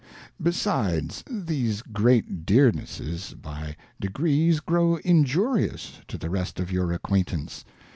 Besides, these great Dearnesses by degrees grow Injurious to the rest of your Acquaintance, and